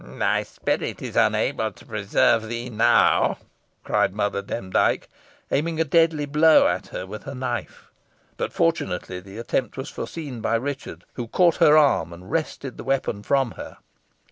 "Thy spirit is unable to preserve thee now!" cried Mother Demdike, aiming a deadly blow at her with the knife. But, fortunately, the attempt was foreseen by Richard, who caught her arm, and wrested the weapon from her.